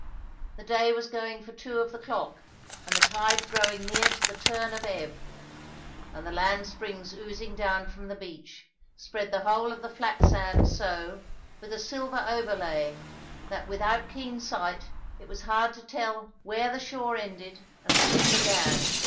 The day was going for two of the clock, and the tide growing near to the turn of ebb; and the landsprings oozing down from the beach, spread the whole of the flat sands so, with a silver overlaying, that without keen sight it was hard to tell where the shore ended and sea began.